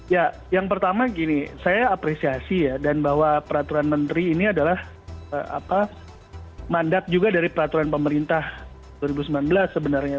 ya yang pertama gini saya apresiasi ya dan bahwa peraturan menteri ini adalah mandat juga dari peraturan pemerintah dua ribu sembilan belas sebenarnya